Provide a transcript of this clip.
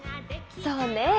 そうね！